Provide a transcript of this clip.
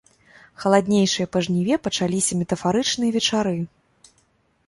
Халаднейшыя па жніве пачаліся метафарычныя вечары.